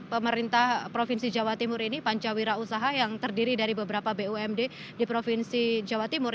pemerintah provinsi jawa timur ini pancawira usaha yang terdiri dari beberapa bumd di provinsi jawa timur